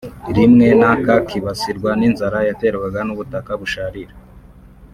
rimwe na kakibasirwa n’inzara yeterwaga n’ubutaka busharira